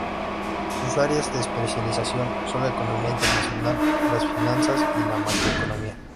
Sus áreas de especialización son la economía internacional, las finanzas y la macroeconomía.